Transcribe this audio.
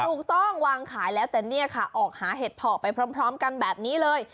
วางขายแล้วแต่เนี่ยค่ะออกหาเห็ดเพาะไปพร้อมกันแบบนี้เลย